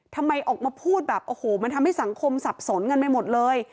ทำไมออกมาพูดแบบโอ้โหมันทำให้สังคมสับสนกันไปหมดเลย